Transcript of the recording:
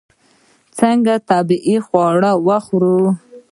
ځکه طبیعي خواړه خوري.